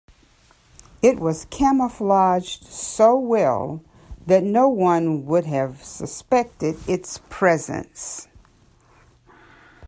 It was camouflaged so well that no one would have suspected its presence.